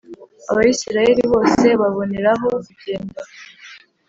Abayisraheli bose babonereho kugenda